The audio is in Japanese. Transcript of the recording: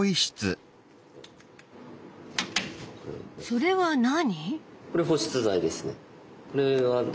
それは何？